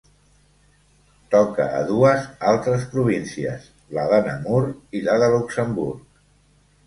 Toca a dues altres províncies: la de Namur i la de Luxemburg.